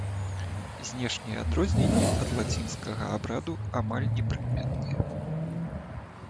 Знешнія адрозненні ад лацінскага абраду амаль непрыкметныя.